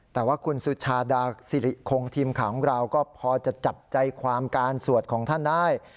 แต่ว่าคุณสุชาดาสิริคงทีมข่าวของเราก็พอจะจับใจความการสวดของท่านได้